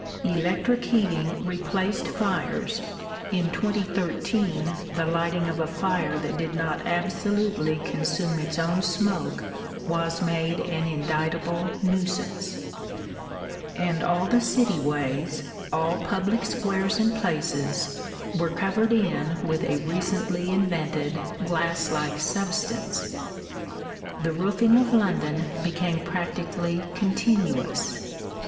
Electric heating replaced fires (in 2013 the lighting of a fire that did not absolutely consume its own smoke was made an indictable nuisance), and all the city ways, all public squares and places, were covered in with a recently invented glass like substance. The roofing of London became practically continuous.